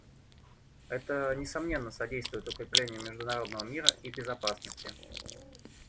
Это, несомненно, содействует укреплению международного мира и безопасности.